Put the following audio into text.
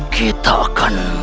kita akan mencari